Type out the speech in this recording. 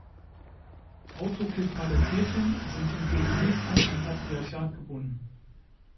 Autokephale Kirchen sind hingegen nicht an ein Patriarchat gebunden.